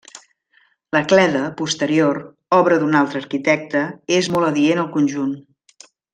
La cleda, posterior, obra d'un altre arquitecte, és molt adient al conjunt.